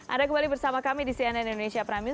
anda kembali bersama kami di cnn indonesia prime news